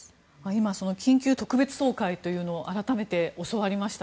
今緊急特別総会というのを改めて教わりました。